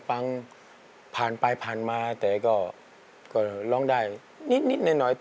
ฟังผ่านไปผ่านมาแต่ก็ร้องได้นิดหน่อย